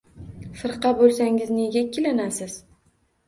— Firqa bo‘lsangiz, nega ikkilanasiz?